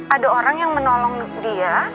ada orang yang menolong dia